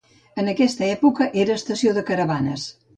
En aquesta època era estació de caravanes.